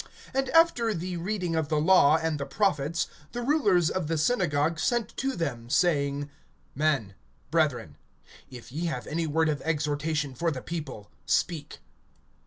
(15)And after the reading of the law and the prophets, the rulers of the synagogue sent to them, saying: Men, brethren, if ye have any word of exhortation for the people, speak.